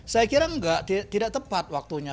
saya kira tidak tepat waktunya